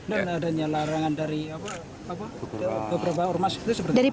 dan adanya larangan dari beberapa ormas itu